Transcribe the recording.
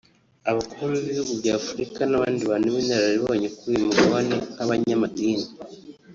Abakuru b’ibihugu by’Afuruka n’abandi bantu b’inararibonye kuri uy umugabane nk’abanyamadini